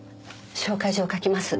紹介状を書きます。